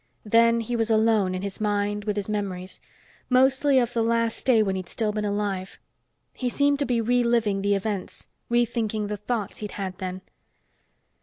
Then he was alone in his mind with his memories mostly of the last day when he'd still been alive. He seemed to be reliving the events, rethinking the thoughts he'd had then.